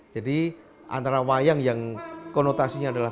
jadi antara wayang yang konotasinya adalah